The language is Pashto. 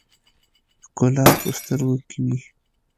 ښکلا په سترګو کښې وي